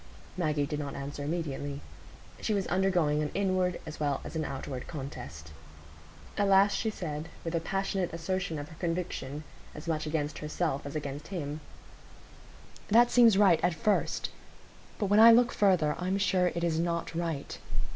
Maggie did not answer immediately. She was undergoing an inward as well as an outward contest. At last she said, with a passionate assertion of her conviction, as much against herself as against him,— "That seems right—at first; but when I look further, I'm sure it is not right.